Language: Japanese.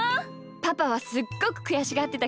パパはすっごくくやしがってたけどね。